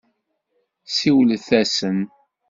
Siwlet-asen.